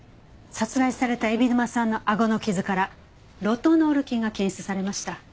殺害された海老沼さんのあごの傷からロトノール菌が検出されました。